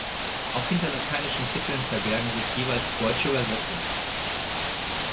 Auch hinter lateinischen Titeln verbergen sich jeweils deutsche Übersetzungen.